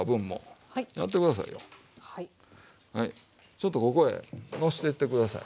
ちょっとここへのしてって下さい。